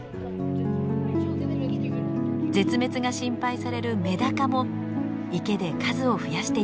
絶滅が心配されるメダカも池で数を増やしています。